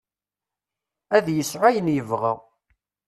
Ad yesɛu ayen yebɣa.